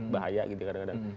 bahaya gitu kadang kadang